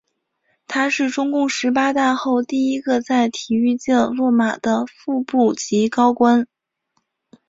他是中共十八大后第一个在体育界落马的副部级高官。